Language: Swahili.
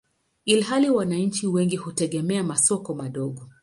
ilhali wananchi wengi hutegemea masoko madogo.